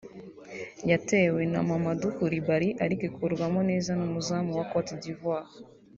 yatewe na Mamadou Coulibary ariko ikurwamo neza n’umuzamu wa Cote d’Ivoire